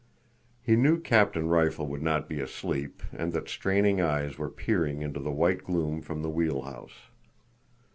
He knew Captain Rifle would not be asleep and that straining eyes were peering into the white gloom from the wheel house.